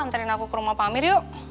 anterin aku ke rumah pamir yuk